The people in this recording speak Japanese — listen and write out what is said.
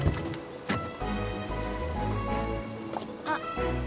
あっ。